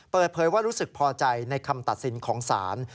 เปิดเผยว่ารู้สึกพอใจในคำตัดสินของศาล